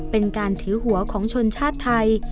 เป็นการถือหัวของชนชาติไทย